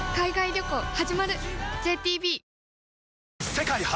世界初！